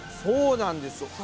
そうなんです。